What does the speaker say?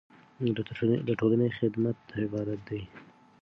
د ټولنې خدمت عبادت دی.